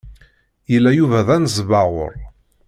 Yella Yuba d anesbaɣur.